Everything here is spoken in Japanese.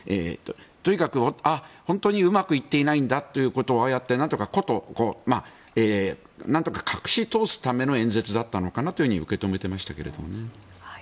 とにかく、本当にうまくいっていないんだということをああやってなんとか隠し通すための演説だったのかなと受け止めましたけどね。